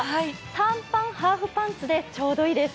短パン、ハーフパンツでちょうどいいです。